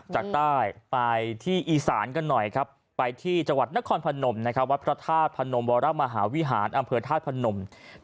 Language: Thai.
จากใต้ไปที่อีสานกันหน่อยครับไปที่จังหวัดนครพนมนะครับวัดพระธาตุพนมวรมหาวิหารอำเภอธาตุพนม